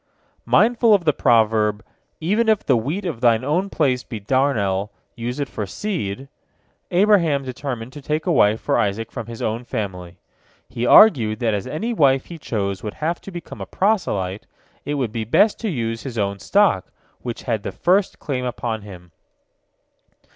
Mindful of the proverb, "Even if the wheat of thine own place be darnel, use it for seed," Abraham determined to take a wife for Isaac from his own family. He argued that as any wife he chose would have to become a proselyte, it would be best to use his own stock, which had the first claim upon him.